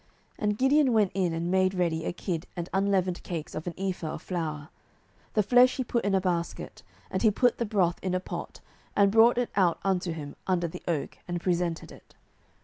07:006:019 And Gideon went in, and made ready a kid, and unleavened cakes of an ephah of flour: the flesh he put in a basket, and he put the broth in a pot, and brought it out unto him under the oak, and presented it.